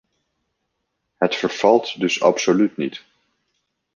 Het vervalt dus absoluut niet.